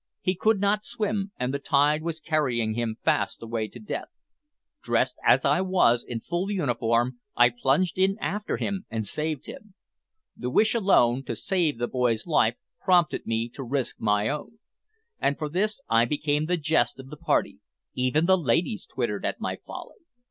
He could not swim, and the tide was carrying him fast away to death. Dressed as I was, in full uniform, I plunged in after him and saved him. The wish alone to save the boy's life prompted me to risk my own. And for this I became the jest of the party; even the ladies tittered at my folly.